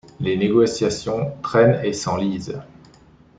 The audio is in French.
Les négociations trainent et s'enlisent.